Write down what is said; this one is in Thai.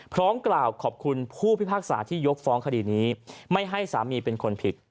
พร้อมกล่าวขอบคุณผู้พิพากษาที่ยกฟ้องคดีนี้ไม่ให้สามีเป็นคนผิด